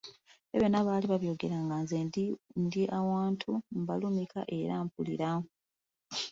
Ebyo byonna baali babyogeramu nze nga ndi awantu mbalumika era mpulira.